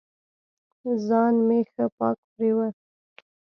ځان مې ښه پاک پرېوه.